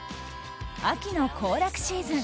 秋の行楽シーズン